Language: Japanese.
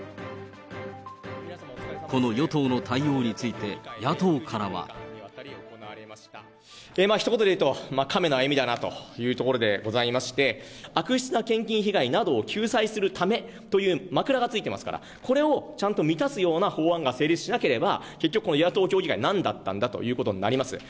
この与党の対応について、野党からは。ひと言で言うと、亀の歩みだなというところでございまして、悪質な献金被害などを救済するためという枕がついてますから、これをちゃんと満たすような法案が成立しなければ、結局この与野党協議会はなんだったんだ？ということになります。